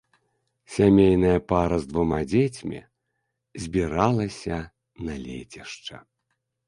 Сямейная пара з двума дзецьмі збіралася на лецішча.